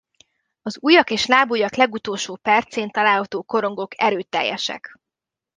Az ujjak és lábujjak legutolsó percén található korongok erőteljesek.